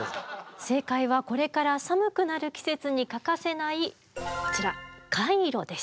正解はこれから寒くなる季節に欠かせないこちらカイロです。